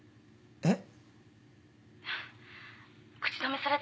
えっ？